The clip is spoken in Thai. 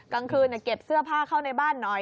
กลางคืนเก็บเสื้อผ้าเข้าในบ้านหน่อย